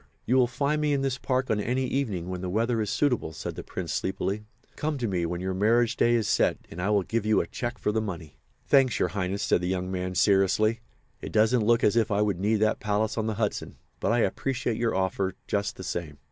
"You will find me in this park on any evening when the weather is suitable," said the Prince, sleepily. "Come to me when your marriage day is set and I will give you a cheque for the money." "Thanks, Your Highness," said the young man, seriously. "It doesn't look as if I would need that palace on the Hudson, but I appreciate your offer, just the same."